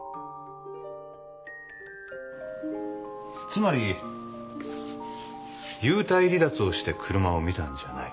つまり幽体離脱をして車を見たんじゃない。